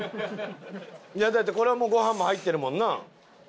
だってこれはもうご飯も入ってるもんな。